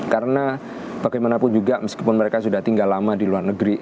karena bagaimanapun juga meskipun mereka sudah tinggal lama di luar negeri